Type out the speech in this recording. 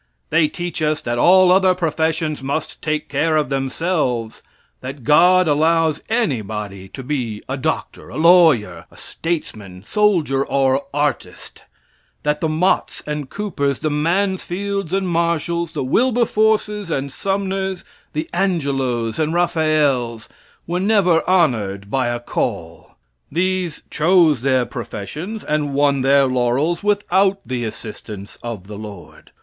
They teach us that all other professions must take care of themselves; that God allows anybody to be a doctor, a lawyer, statesman, soldier, or artist; that the Motts and Coopers the Mansfields and Marshalls the Wilberforces and Sumners the Angelos and Raphaels were never honored by a "call." These chose their professions and won their laurels without the assistance of the Lord.